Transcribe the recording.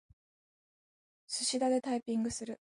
すしだでタイピングする。